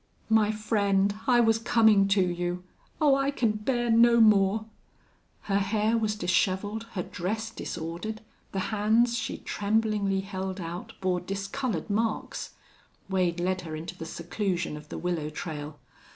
"My friend, I was coming to you.... Oh, I can bear no more!" Her hair was disheveled, her dress disordered, the hands she tremblingly held out bore discolored marks. Wade led her into the seclusion of the willow trail.